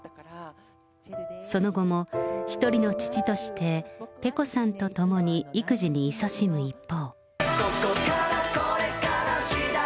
その後も、一人の父としてペコさんと共に育児にいそしむ一方。